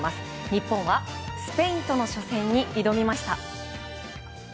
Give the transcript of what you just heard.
日本はスペインとの初戦に挑みました。